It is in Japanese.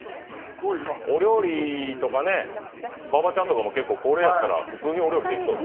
お料理とかね、馬場ちゃんとかもこれだったら普通にお料理できそう。